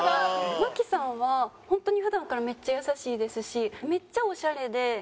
麻貴さんは本当に普段からめっちゃ優しいですしめっちゃオシャレで。